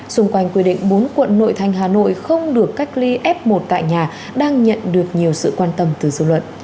xung quanh quy định bốn quận nội thành hà nội không được cách ly f một tại nhà đang nhận được nhiều sự quan tâm từ dư luận